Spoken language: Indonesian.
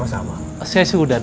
janganlah termi landlords